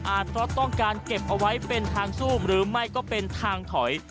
เพราะต้องการเก็บเอาไว้เป็นทางสู้หรือไม่ก็เป็นทางถอย